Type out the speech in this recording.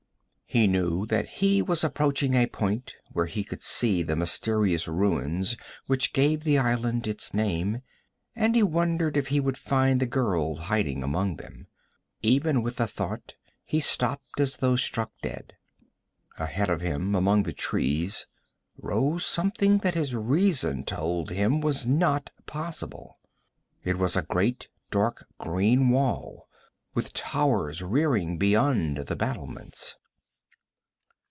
He knew that he was approaching a point where he could see the mysterious ruins which gave the island its name, and he wondered if he would find the girl hiding among them. Even with the thought he stopped as though struck dead. Ahead of him, among the trees, rose something that his reason told him was not possible. _It was a great dark green wall, with towers rearing beyond the battlements.